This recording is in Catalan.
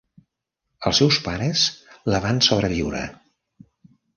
Els seus pares la van sobreviure.